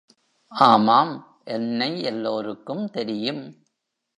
ஆமாம், என்னை எல்லோருக்கும் தெரியும்.